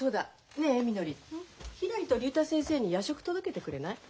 ねえみのりひらりと竜太先生に夜食届けてくれない？